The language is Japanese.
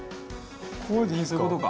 こうでいいんですか？